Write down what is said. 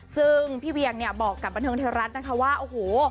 ซึ่งพี่เวียงเนี่ยบอกกับบันเทิงไทยรัฐนะคะว่าโอ้โห